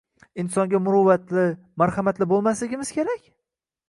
Insonga muruvvatli, marhamatli boʻlmasligimiz kerak?!